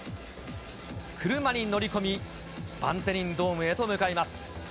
車に乗り込み、バンテリンドームへと向かいます。